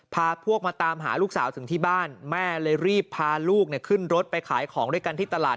พาพวกมาตามหาลูกสาวถึงที่บ้านแม่เลยรีบพาลูกขึ้นรถไปขายของด้วยกันที่ตลาด